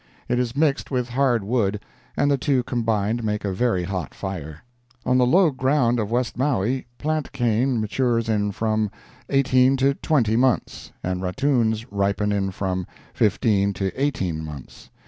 It is mixed with hard wood, and the two combined make a very hot fire. On the low ground of West Maui plant cane matures in from eighteen to twenty months, and ratoons ripen in from fifteen to eighteen months.